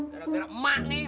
kalau iya emang nih